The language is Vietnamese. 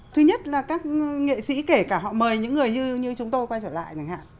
thứ nhất là các nghệ sĩ kể cả họ mời những người như chúng tôi quay trở lại